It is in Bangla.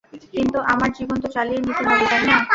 কিন্তু আমার জীবন তো চালিয়ে নিতে হবে, তাই না?